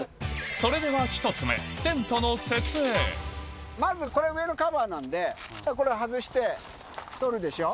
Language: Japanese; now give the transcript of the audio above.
それではまずこれ上のカバーなんでこれを外して取るでしょ。